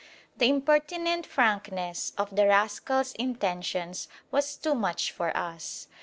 The impertinent frankness of the rascal's intentions was too much for us.